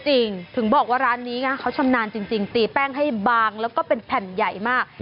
ถึงบอกว่าร้านนี้นะเขาชำนาญจริงตีแป้งให้บางแล้วก็เป็นแผ่นใหญ่มาก